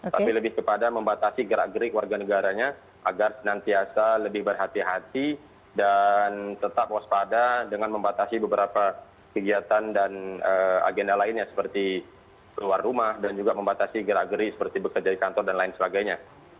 tapi lebih kepada membatasi gerak gerik warga negaranya agar senantiasa lebih berhati hati dan tetap waspada dengan membatasi beberapa kegiatan dan agenda lainnya seperti keluar rumah dan juga membatasi gerak geri seperti bekerja di kantor dan lain sebagainya